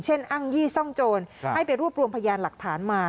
อ้างยี่ซ่องโจรให้ไปรวบรวมพยานหลักฐานมา